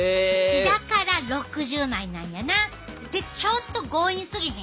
だから６０枚なんやな。ってちょっと強引すぎひん？